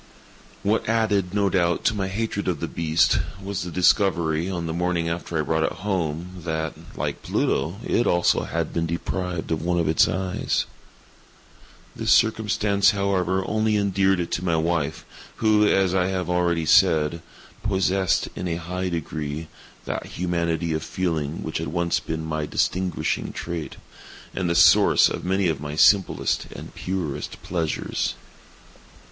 What added, no doubt, to my hatred of the beast, was the discovery, on the morning after I brought it home, that, like Pluto, it also had been deprived of one of its eyes. This circumstance, however, only endeared it to my wife, who, as I have already said, possessed, in a high degree, that humanity of feeling which had once been my distinguishing trait, and the source of many of my simplest and purest pleasures.